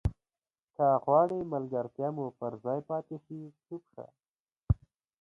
که غواړې ملګرتیا مو پر ځای پاتې شي چوپ شه.